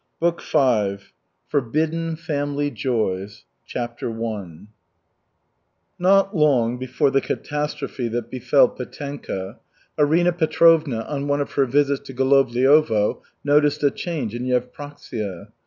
BOOK V FORBIDDEN FAMILY JOYS CHAPTER I Not long before the catastrophe that befell Petenka, Arina Petrovna, on one of her visits to Golovliovo, noticed a change in Yevpraksia.